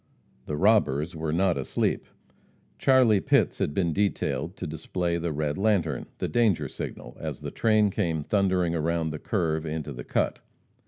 The robbers were not asleep. Charlie Pitts had been detailed to display the red lantern the danger signal as the train came thundering around the curve into the cut.